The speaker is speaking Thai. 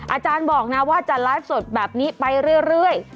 อาจารย์บอกนะว่าจะไลฟ์สดแบบนี้ไปเรื่อย